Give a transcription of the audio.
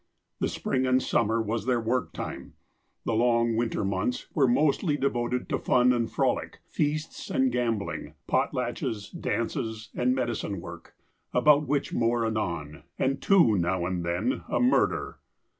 The spring and summer was their work time. The long winter months were mostly devoted to fun and frolic, feasts and gambling, potlatches, dances, and med icine work, about which more anon, and to, now and then, a murder.